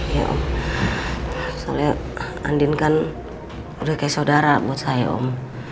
ya om soalnya andin kan udah kayak saudara buat saya om